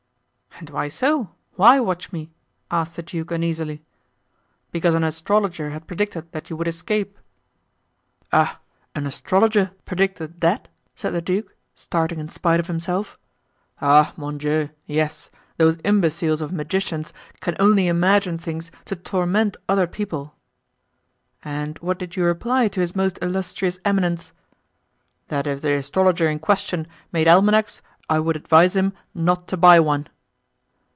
"And why so? why watch me?" asked the duke uneasily. "Because an astrologer had predicted that you would escape." "Ah! an astrologer predicted that?" said the duke, starting in spite of himself. "Oh, mon Dieu! yes! those imbeciles of magicians can only imagine things to torment honest people." "And what did you reply to his most illustrious eminence?" "That if the astrologer in question made almanacs I would advise him not to buy one."